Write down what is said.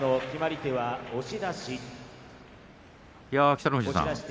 北の富士さん